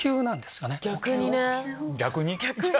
「逆に」？